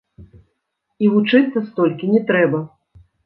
І вучыцца столькі не трэба.